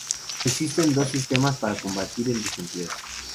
Existen dos sistemas para combatir el desempleo.